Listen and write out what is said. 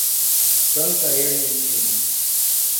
Santa Ernestina